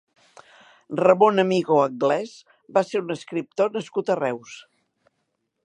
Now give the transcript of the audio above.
Ramon Amigó Anglès va ser un escriptor nascut a Reus.